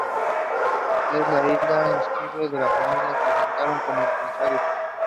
I think that important aspects of the work emerges in the man.